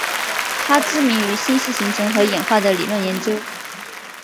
她知名于星系形成和演化的理论研究。